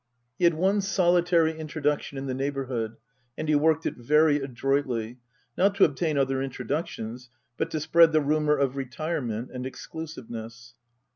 He had one solitary introduction in the neighbourhood, and he worked it very adroitly, not to obtain other introductions, but to spread the rumour of retirement and exclusiveness.